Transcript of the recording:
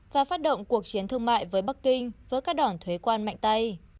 và phát động cuộc chiến thương mại với bắc kinh với các đòn thuế quan mạnh tay